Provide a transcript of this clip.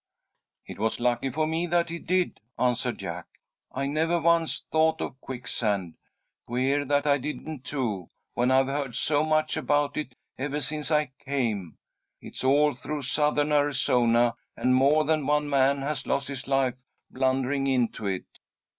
"It was lucky for me that he did," answered Jack. "I never once thought of quicksand. Queer that I didn't, too, when I've heard so much about it ever since I came. It's all through Southern Arizona, and more than one man has lost his life blundering into it."